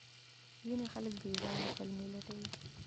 ځینې خلک بې ځایه پلمې لټوي.